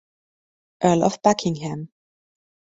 Earl of Buckingham.